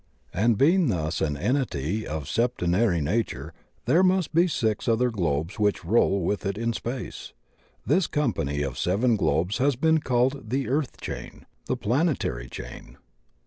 And being thus an entity of a septenary nature there must be six other globes which roll with it in space. This company of seven globes has been called the "Earth Chain," the "Plan etary Chain."